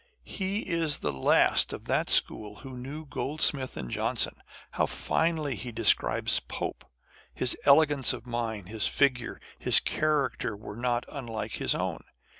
He is the last of that school who knew Goldsmith and Johnson. How finely he describes Pope ! His elegance of mind, his figure, his character were not unlike his own.